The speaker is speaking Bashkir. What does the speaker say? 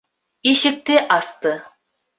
Ишекте асты.